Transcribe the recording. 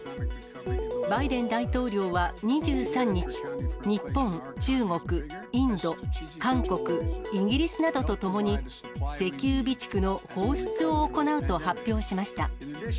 バイデン大統領は２３日、日本、中国、インド、韓国、イギリスなどとともに、石油備蓄の放出を行うと発表しました。